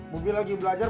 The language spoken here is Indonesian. bobby lagi belajar